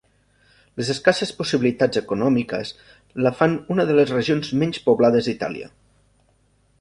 Les escasses possibilitats econòmiques la fan una de les regions menys poblades d'Itàlia.